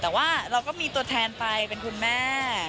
แต่ว่าเราก็มีตัวแทนไปเป็นคุณแม่